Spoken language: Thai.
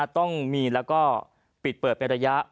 ต้องมีแล้วก็ปิดเปิดเป็นระยะ